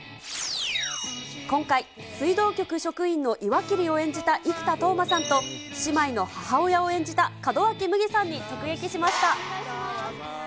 今回、水道局職員の岩切を演じた生田斗真さんと、姉妹の母親を演じた門脇麦さんに直撃しました。